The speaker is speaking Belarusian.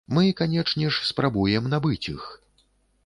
Мы, канечне ж, спрабуем набыць іх.